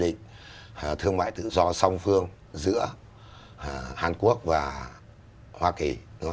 đó là cái quốc gia mà đã có cái hiệp định thương mại tự do song phương giữa hàn quốc và hoa kỳ